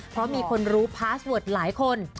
เพราะมีคนรู้พาสเวิร์ดหลายคน